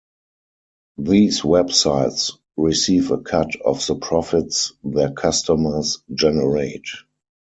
These web sites receive a cut of the profits their customers generate.